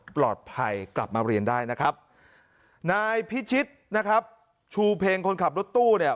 ปลอดภัยกลับมาเรียนได้นะครับนายพิชิตนะครับชูเพลงคนขับรถตู้เนี่ย